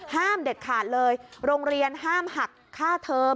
ห้ามเด็ดขาดเลยโรงเรียนห้ามหักค่าเทอม